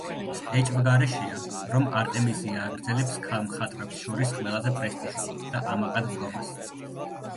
ეჭვგარეშეა, რომ არტემიზია აგრძელებს ქალ მხატვრებს შორის ყველაზე პრესტიჟულად და ამაყად დგომას.